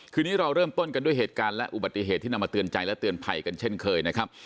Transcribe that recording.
นี้เราเริ่มต้นกันด้วยเหตุการณ์และอุบัติเหตุที่นำมาเตือนใจและเตือนภัยกันเช่นเคยนะครับ